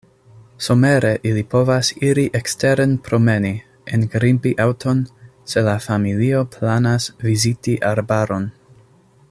Somere ili povas iri eksteren promeni, engrimpi aŭton, se la familio planas viziti arbaron.